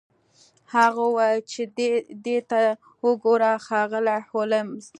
هغه وویل چې دې ته وګوره ښاغلی هولمز